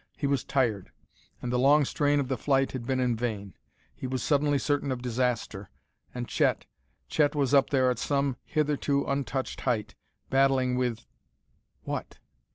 He was tired and the long strain of the flight had been in vain. He was suddenly certain of disaster. And Chet Chet was up there at some hitherto untouched height, battling with what?